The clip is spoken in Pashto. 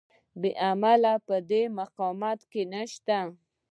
بې عملي په دې مقاومت کې نشته.